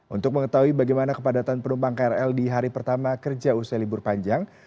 untuk mengetahui bagaimana kepadatan penumpang krl di hari pertama kerja usai libur panjang